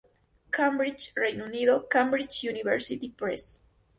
Cambridge, Reino Unido: Cambridge University Press.